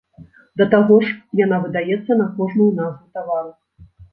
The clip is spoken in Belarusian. Да таго ж, яна выдаецца на кожную назву тавару.